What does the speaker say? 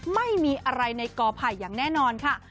ไม่มีอะไรในกอไผ่อย่างแน่นอนค่ะ